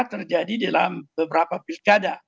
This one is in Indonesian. terjadi dalam beberapa pilkada